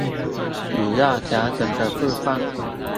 主要調整的部分